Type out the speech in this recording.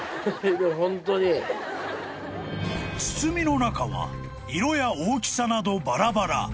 ［包みの中は色や大きさなどバラバラ］